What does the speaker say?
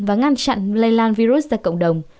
và ngăn chặn lây lan virus ra cộng đồng